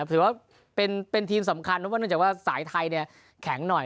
ถือว่าเป็นทีมสำคัญเพราะว่าเนื่องจากว่าสายไทยแข็งหน่อย